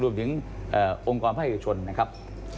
รวมถึงองค์กรภาคเอกชนนะครับ